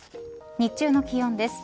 日中の気温です。